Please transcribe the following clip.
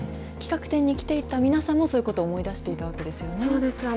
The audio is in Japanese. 企画展に来ていた皆さんも、そういうことを思い出していたわそうです。